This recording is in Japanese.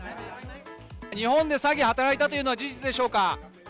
日本で詐欺を働いたというのは事実でしょうか。